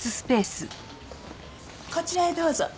こちらへどうぞ。